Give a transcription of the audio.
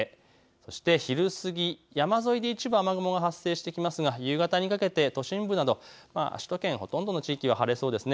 そして昼過ぎ、山沿いで一部雨雲が発生してきますが夕方にかけで都心部など首都圏、ほとんどの地域は晴れそうです。